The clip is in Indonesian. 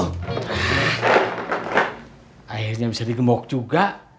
akhirnya bisa digembok juga